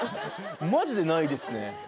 マジでないですね